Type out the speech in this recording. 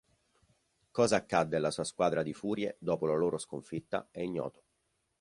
Cosa accadde alla sua squadra di Furie dopo la loro sconfitta è ignoto.